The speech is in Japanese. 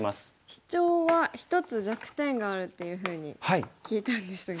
シチョウは一つ弱点があるっていうふうに聞いたんですが。